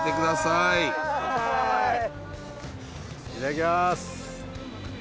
いただきます。